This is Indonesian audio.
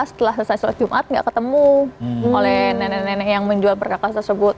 setelah selesai sholat jumat nggak ketemu oleh nenek nenek yang menjual perkakas tersebut